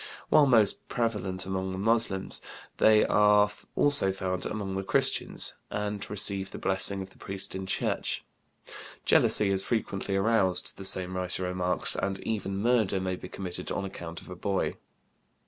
While most prevalent among the Moslems, they are also found among the Christians, and receive the blessing of the priest in church. Jealousy is frequently aroused, the same writer remarks, and even murder may be committed on account of a boy.